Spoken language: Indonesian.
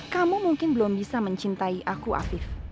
kamu mungkin belum bisa mencintai aku afif